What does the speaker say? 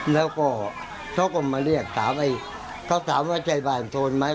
แล้วก็เขาก็มาเรียกถามไอ้เขาถามว่าใช่บ้านโทนไหม